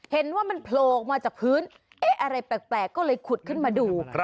เห็นว่ามันโผล่ออกมาจากพื้นเอ๊ะอะไรแปลกก็เลยขุดขึ้นมาดู